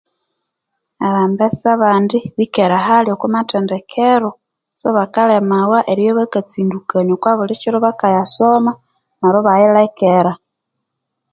Abambesa abandi bikere hali oku mathendekero so bakalemawa eribya bakatsindukania oku bulikiro bakayasoma neryo ibayirekera